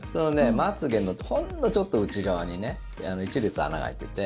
まつ毛のほんのちょっと内側にね一列、穴が開いていて。